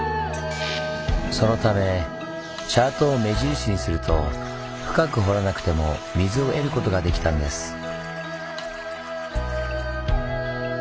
そのためチャートを目印にすると深く掘らなくても水を得ることができたんです。